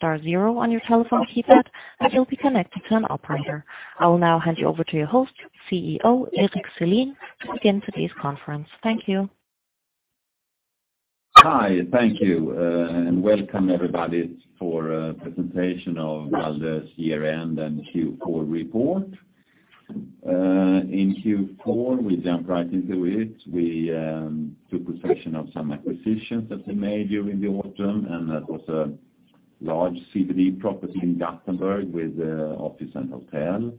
Star zero on your telephone keypad, and you'll be connected to an operator. I will now hand you over to your host, CEO, Erik Selin, to begin today's conference. Thank you. Hi. Thank you. Welcome everybody for presentation of Balder's year-end and Q4 report. In Q4, we jump right into it. We took possession of some acquisitions that we made during the autumn, that was a large CBD property in Gothenburg with office and hotel.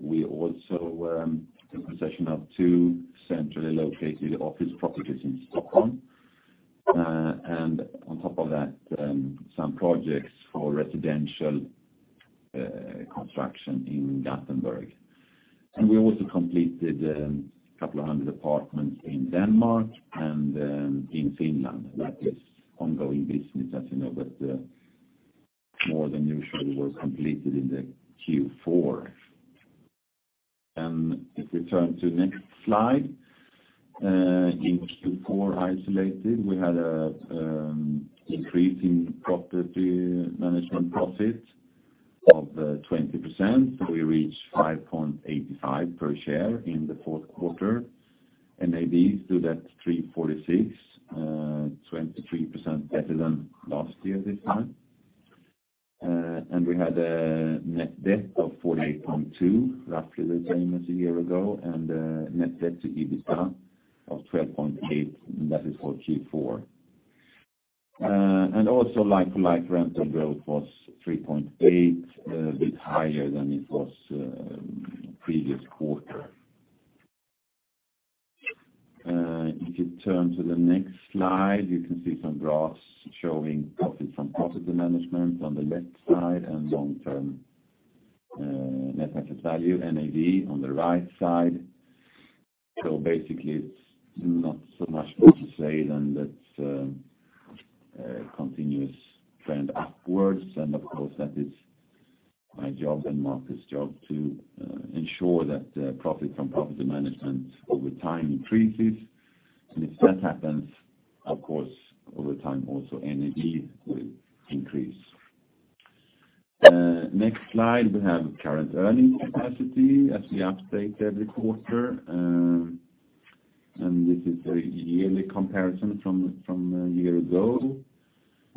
We also took possession of two centrally located office properties in Stockholm. On top of that, some projects for residential construction in Gothenburg. We also completed a couple of hundred apartments in Denmark and in Finland. That is ongoing business, as you know, more than usual was completed in the Q4. If we turn to next slide. In Q4 isolated, we had an increase in property management profit of 20%, we reached 5.85 per share in the fourth quarter. NAV stood at 346, 23% better than last year this time. We had a net debt of 48.2, roughly the same as a year ago, and net debt to EBITDA of 12.8, and that is for Q4. Also like rent roll was 3.8%, a bit higher than it was previous quarter. If you turn to the next slide, you can see some graphs showing profit from property management on the left side and long-term net asset value, NAV, on the right side. Basically it's not so much more to say than that continuous trend upwards. Of course that is my job and Marcus's job to ensure that profit from property management over time increases. If that happens, of course, over time also NAV will increase. Next slide. We have current earning capacity as we update every quarter. This is a yearly comparison from a year ago.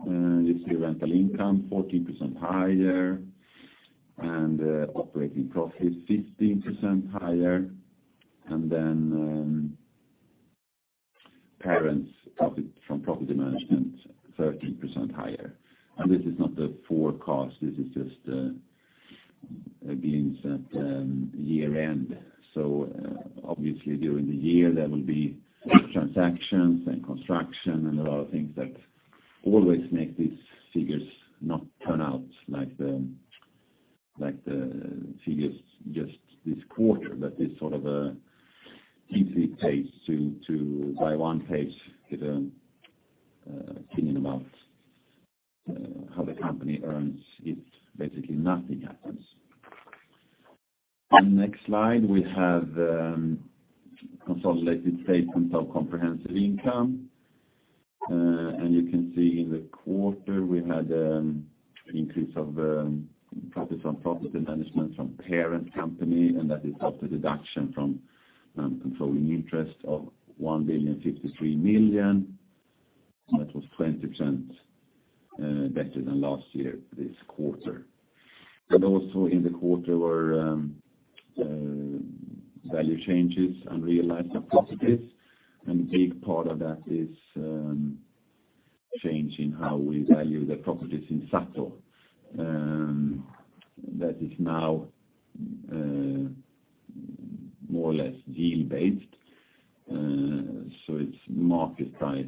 You see rental income 14% higher, and operating profit 15% higher. Parent profit from property management 13% higher. This is not the forecast, this is just a glimpse at year-end. Obviously during the year there will be transactions and construction and a lot of things that always make these figures not turn out like the figures just this quarter. That is sort of an easy pace to, by one pace, get an opinion about how the company earns if basically nothing happens. Next slide. We have consolidated statements of comprehensive income. You can see in the quarter we had an increase of profits on property management from parent company, and that is after deduction from controlling interest of 1,053,000,000. That was 20% better than last year this quarter. Also in the quarter were value changes and realized properties, and a big part of that is change in how we value the properties in SATO. That is now more or less deal-based. It's market price,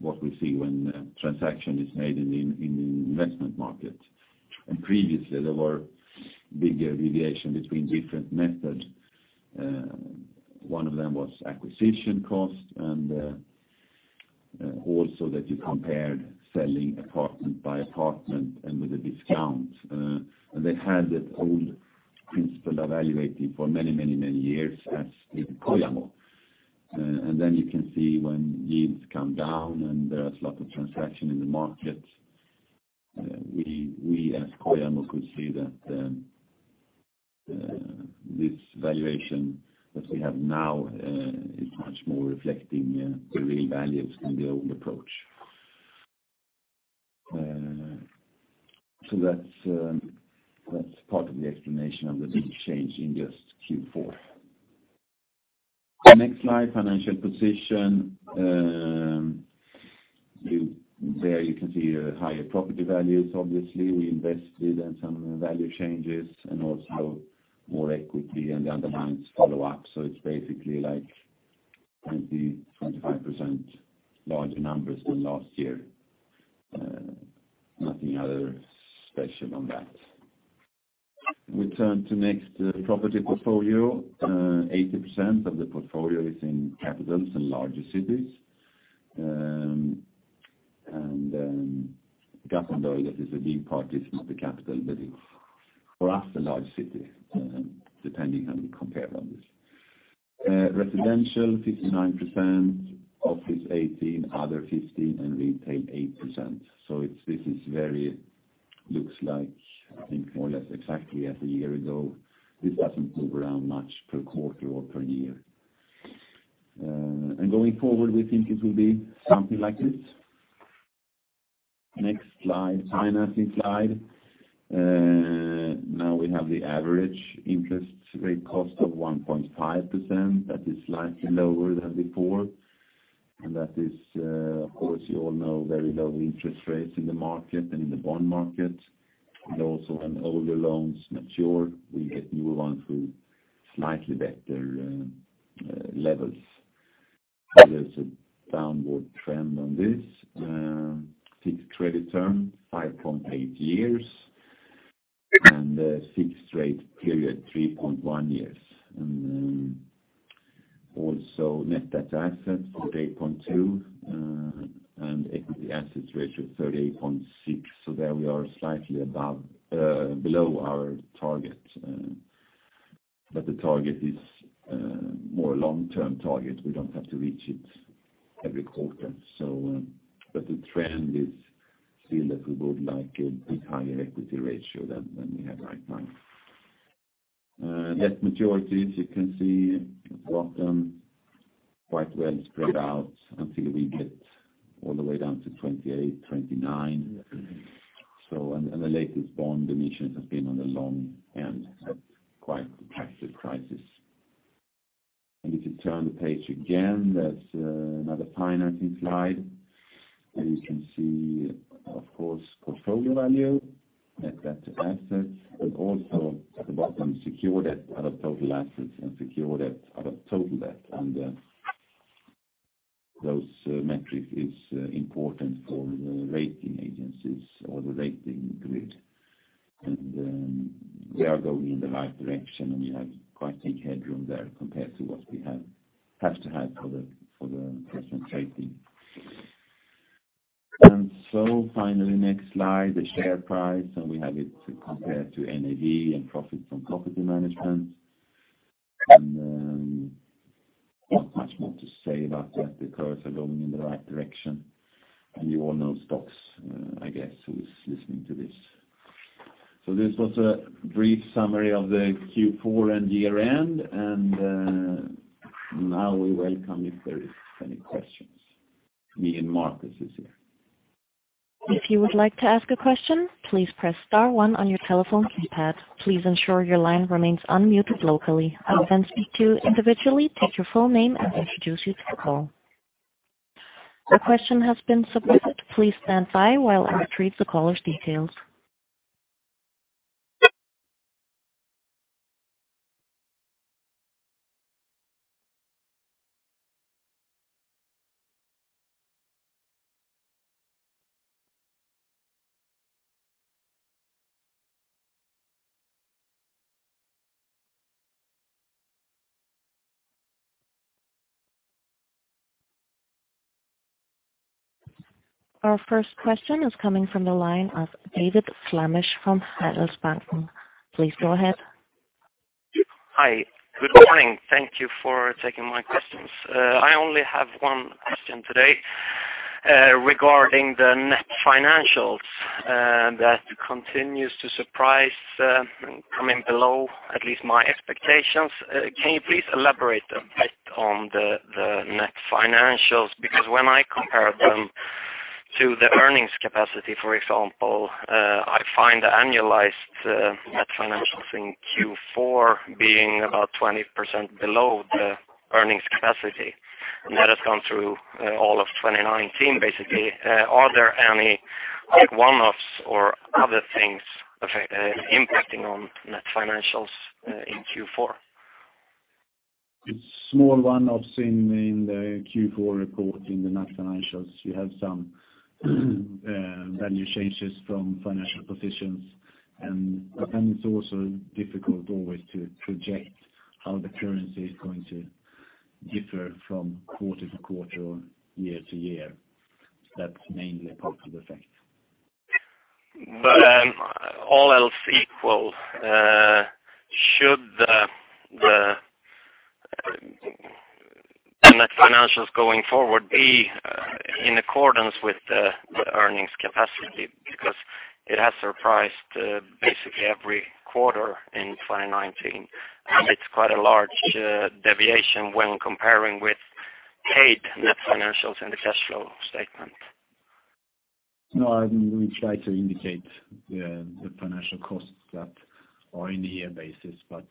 what we see when a transaction is made in the investment market. Previously there were bigger deviation between different methods. One of them was acquisition cost and also that you compared selling apartment by apartment and with a discount. They had that old principle evaluated for many years as did Kojamo. You can see when yields come down and there's lots of transaction in the market, we as Kojamo could see that this valuation that we have now is much more reflecting the real values than the old approach. That's part of the explanation of the big change in just Q4. Next slide, financial position. There you can see higher property values. Obviously, we invested in some value changes and also more equity and other loans follow up. It's basically like 20%, 25% larger numbers than last year. Nothing other special on that. We turn to next, property portfolio. 80% of the portfolio is in capitals and larger cities. Gothenburg, that is a big part, is not a capital, but it's for us a large city, depending how we compare on this. Residential 59%, office 18%, other 15%, and retail 8%. This looks like, I think more or less exactly as a year ago. This doesn't move around much per quarter or per year. Going forward, we think it will be something like this. Next slide, financing slide. Now we have the average interest rate cost of 1.5%. That is slightly lower than before. That is, of course, you all know, very low interest rates in the market and in the bond market. When older loans mature, we get new ones with slightly better levels. There is a downward trend on this. Fixed credit term 5.8 years, and fixed rate period 3.1 years. Net debt to assets 48.2% and equity assets ratio 38.6%. There we are slightly below our target. The target is more long-term target. We do not have to reach it every quarter. The trend is still that we would like a bit higher equity ratio than we have right now. Net maturities, you can see at the bottom quite well spread out until we get all the way down to 2028, 2029. The latest bond emissions have been on the long end at quite attractive prices. If you turn the page again, there's another financing slide. You can see, of course, portfolio value, net debt to assets, but also at the bottom, secure debt out of total assets and secure debt out of total debt. Those metrics is important for the rating agencies or the rating grid. We are going in the right direction, and we have quite a headroom there compared to what we have to have for the present rating. Finally, next slide, the share price, and we have it compared to NAV and profit from property management. Not much more to say about that because they're going in the right direction. You all know stocks, I guess, who's listening to this. This was a brief summary of the Q4 and year-end. Now we welcome if there is any questions. Me and Marcus is here. If you would like to ask a question, please press star one on your telephone keypad. Please ensure your line remains unmuted locally. I will then speak to you individually, state your full name, and introduce you to the call. A question has been submitted. Please stand by while I retrieve the caller's details. Our first question is coming from the line of David Flemmich from Handelsbanken. Please go ahead. Hi. Good morning. Thank you for taking my questions. I only have one question today, regarding the net financials that continues to surprise, coming below at least my expectations. Can you please elaborate a bit on the net financials? When I compare them to the earnings capacity, for example, I find the annualized net financials in Q4 being about 20% below the earnings capacity. That has gone through all of 2019, basically. Are there any one-offs or other things impacting on net financials in Q4? It's small one-offs in the Q4 report in the net financials. You have some value changes from financial positions. It's also difficult always to project how the currency is going to differ from quarter-to-quarter or year-to-year. That's mainly a part of the effect. All else equal, should the net financials going forward be in accordance with the earnings capacity? It has surprised basically every quarter in 2019, and it's quite a large deviation when comparing with paid net financials in the cash flow statement. No, we try to indicate the financial costs that are in the year basis, but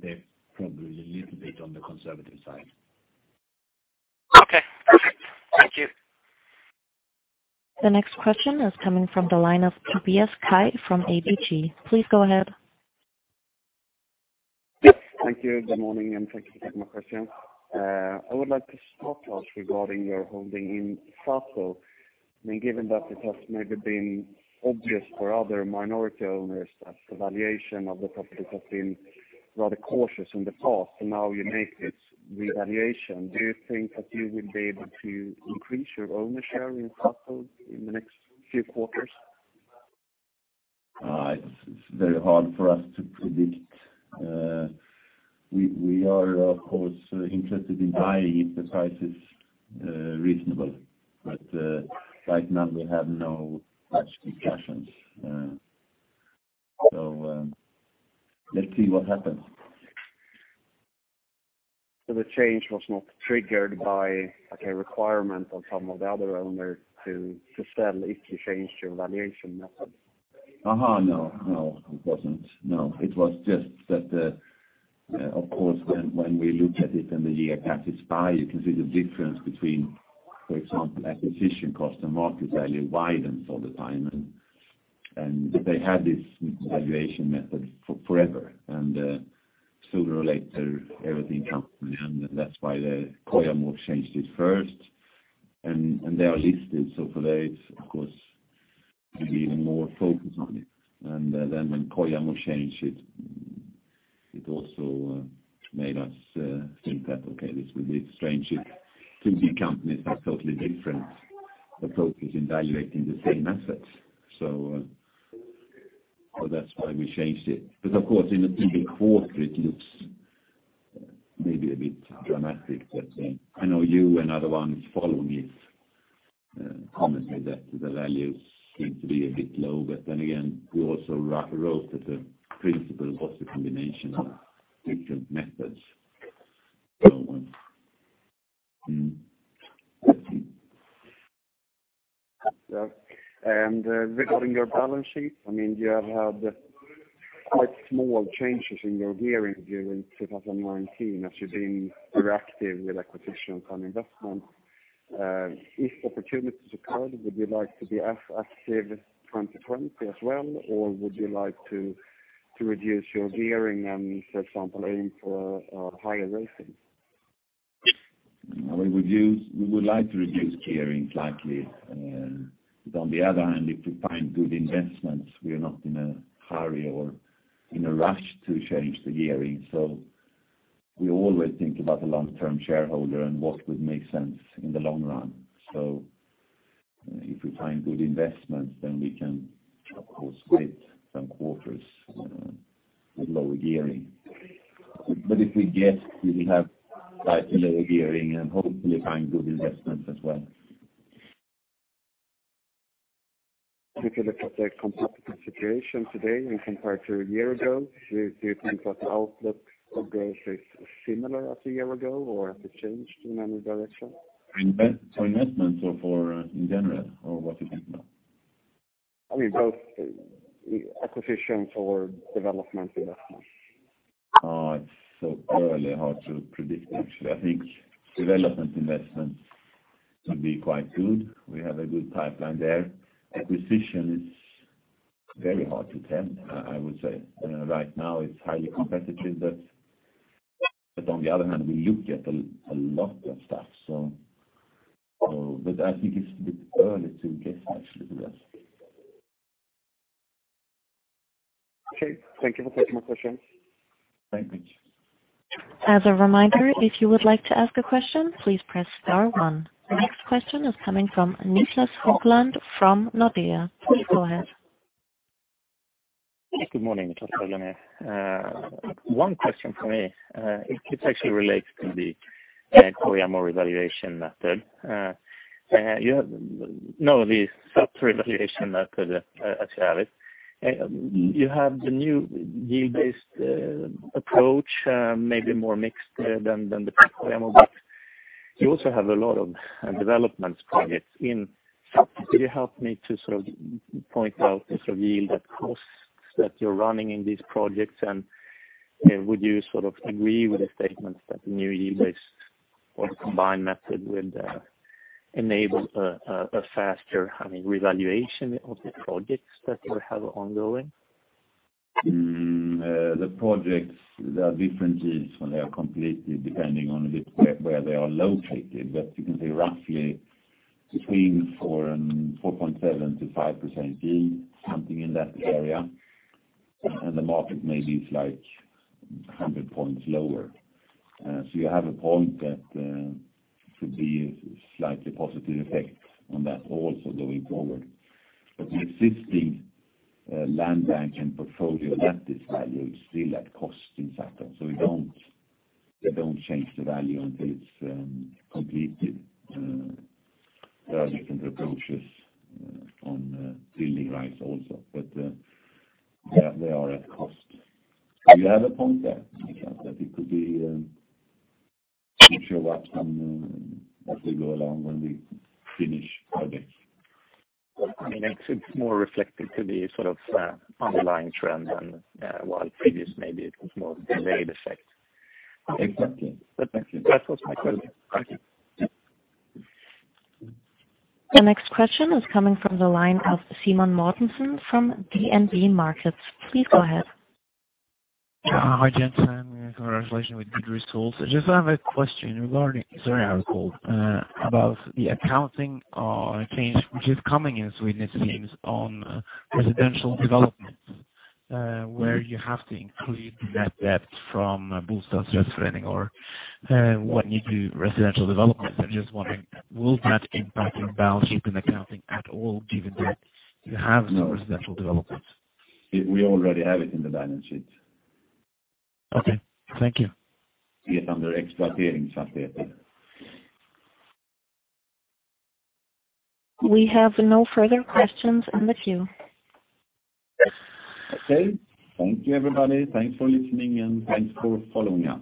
they're probably a little bit on the conservative side. Okay, perfect. Thank you. The next question is coming from the line of Tobias Kaj from ABG. Please go ahead. Yes, thank you. Good morning, and thank you for taking my question. I would like to start just regarding your holding in [Kojamo]. Given that it has maybe been obvious for other minority owners that the valuation of the company has been rather cautious in the past, and now you make this revaluation, do you think that you will be able to increase your owner share in [Kojamo] in the next few quarters? It's very hard for us to predict. We are, of course, interested in buying if the price is reasonable. Right now, we have no such discussions. Let's see what happens. The change was not triggered by a requirement of some of the other owners to sell if you changed your valuation methods? No, it wasn't. It was just that, of course, when we looked at it in the year passes by, you can see the difference between, for example, acquisition cost and market value widens all the time. They had this valuation method forever, and sooner or later, everything comes to an end. That's why the Kojamo changed it first. They are listed, so for them, of course, maybe even more focus on it. When Kojamo changed it also made us think that, okay, this will be strange. It could be companies have totally different approaches in valuating the same assets. That's why we changed it. Of course, in a single quarter, it looks maybe a bit dramatic. I know you and other ones following it, commented that the value seems to be a bit low. Again, we also wrote that the principle was a combination of different methods. Mm-hmm. Yeah. Regarding your balance sheet, you have had quite small changes in your gearing during 2019 as you've been reactive with acquisitions and investments. If opportunities occurred, would you like to be as active 2020 as well? Would you like to reduce your gearing and, for example, aim for a higher rating? We would like to reduce gearing slightly. On the other hand, if we find good investments, we are not in a hurry or in a rush to change the gearing. We always think about the long-term shareholder and what would make sense in the long run. If we find good investments, we can, of course, wait some quarters with lower gearing. We will have slightly lower gearing and hopefully find good investments as well. If you look at the competitive situation today and compared to a year ago, do you think that the outlook for growth is similar as a year ago, or has it changed in any direction? For investments or for in general? Or what are you thinking of? Both. Acquisitions or development investments. It's so early, hard to predict, actually. I think development investments should be quite good. We have a good pipeline there. Acquisition is very hard to tell, I would say. Right now it's highly competitive, but on the other hand, we look at a lot of stuff. I think it's a bit early to guess actually. Okay. Thank you for taking my questions. Thank you. As a reminder, if you would like to ask a question, please press star one. The next question is coming from Niclas Höglund from Nordea. Please go ahead. Good morning, Niclas Höglund here. One question from me. It's actually related to the Kojamo revaluation method. You have none of the sub-revaluation method, as you have it. You have the new yield-based approach, maybe more mixed than the Kojamo, but you also have a lot of development projects in. Could you help me to point out the yield at costs that you're running in these projects? Would you agree with the statement that the new yield-based or combined method would enable a faster revaluation of the projects that you have ongoing? The projects, there are different yields when they are completed, depending on a bit where they are located. You can say roughly between 4.7%-5% yield, something in that area. The market may be like 100 points lower. You have a point that should be a slightly positive effect on that also going forward. The existing land bank and portfolio at this value is still at cost in SATO. We don't change the value until it's completed. There are different approaches on building rights also, but they are at cost. You have a point there, Niclas, that it could be future upside as we go along when we finish projects. It's more reflective to the underlying trend than while previous, maybe it was more of a delayed effect. Exactly. Thank you. That was my question. Thank you. Yeah. The next question is coming from the line of Simen Mortensen from DNB Markets. Please go ahead. Hi, gents. Congratulations with good results. I just have a question regarding, sorry, I called, about the accounting change, which is coming in Sweden, it seems, on residential developments. Where you have to include the net debt from Bostadsrättsförening or when you do residential developments. I'm just wondering, will that impact your balance sheet and accounting at all given that you have some residential developments? No. We already have it in the balance sheet. Okay. Thank you. Yes, under extra earnings up there. We have no further questions in the queue. Okay. Thank you, everybody. Thanks for listening, and thanks for following us.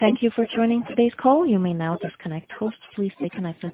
Thank you for joining today's call. You may now disconnect. Hosts, please stay connected.